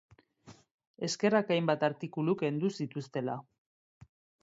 Eskerrak hainbat artikulu kendu zituztela!